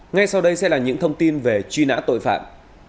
ngay sau đây sẽ là những thông tin về truy nã tội phạm